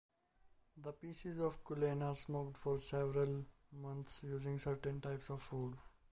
The pieces of kulen are smoked for several months, using certain types of wood.